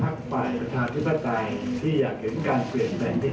เราอยากกับสร้างให้การร่วมมือกัน